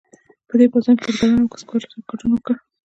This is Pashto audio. په دې پاڅون کې بزګرانو او کسبګرو ګډون وکړ.